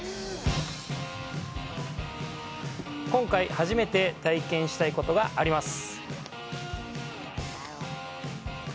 今回、初めて体験したいことがあります。